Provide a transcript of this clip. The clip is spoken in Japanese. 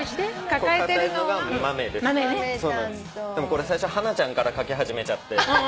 これ最初ハナちゃんから描き始めちゃって。